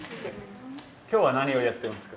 今日は何をやってますか？